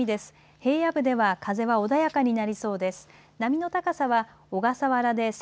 平野部では風は穏やかになりそうです。